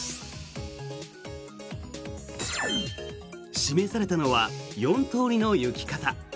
示されたのは４通りの行き方。